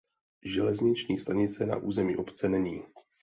Železniční stanice na území obce není.